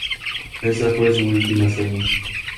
Esa fue su última hazaña.